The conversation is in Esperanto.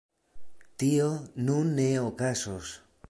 Tio nun ne okazos.